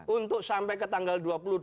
untuk sampai ke tanggal dua puluh dua